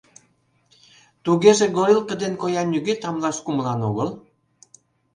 Тугеже горилка ден коям нигӧ тамлаш кумылан огыл.